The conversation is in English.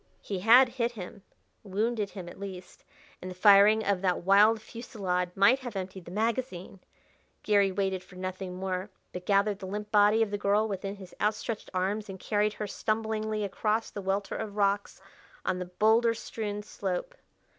He had hit him wounded him at least and the firing of that wild fusillade might have emptied the magazine! Gary waited for nothing more, but gathered the limp body of the girl within his outstretched arms and carried her stumblingly across the welter of rocks on the boulder strewn slope.